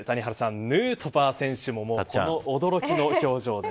ヌートバー選手もこの驚きの表情です。